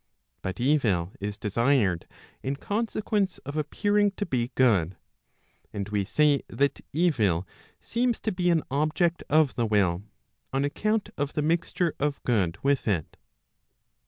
But evil is desired in consequence of appearing to, * be good ; and we say that evil seems to be an object of the will, on account of the mixture of good with it.